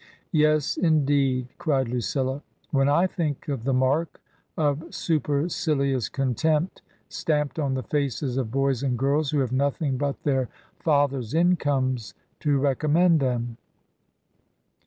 " Yes, indeed !" cried Lucilla. " When I think of the mark of supercilious contempt stamped on the faces of boys and girls who have nothing but their fathers' incomes to recommend them